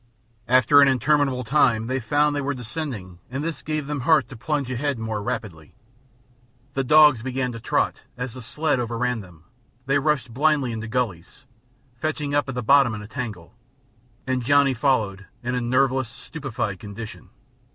After an interminable time they found they were descending and this gave them heart to plunge ahead more rapidly. The dogs began to trot as the sled overran them; they rushed blindly into gullies, fetching up at the bottom in a tangle, and Johnny followed in a nerveless, stupefied condition.